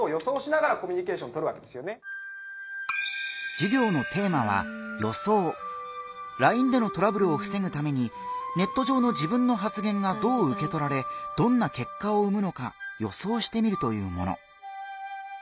授業をしてくれるのはＬＩＮＥでのトラブルをふせぐためにネット上の自分の発言がどううけとられどんな結果を生むのか予想してみるというもの。